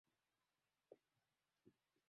Mwaka elfu moja mia tisa hamsini na saba